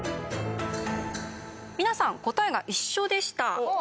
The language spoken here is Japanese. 皆さん答えが一緒でした。